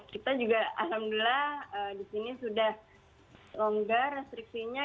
kita juga alhamdulillah di sini sudah longgar restriksinya